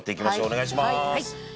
お願いします！